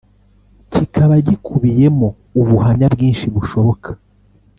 kikaba gikubiyemo ubuhamya bwinshi bushoboka